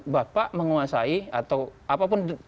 bapak menguasai atau apapun